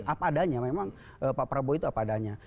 apa adanya memang pak prabowo itu apa adanya